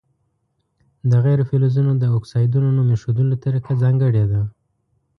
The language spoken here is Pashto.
د غیر فلزونو د اکسایدونو نوم ایښودلو طریقه ځانګړې ده.